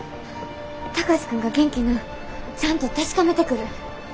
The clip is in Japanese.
貴司君が元気なんちゃんと確かめてくる。